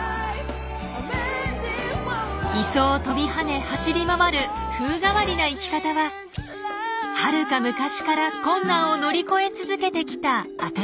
磯を跳びはね走り回る風変わりな生き方ははるか昔から困難を乗り越え続けてきた証しです。